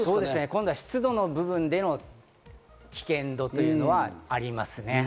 今度は湿度の部分の危険度というのがありますね。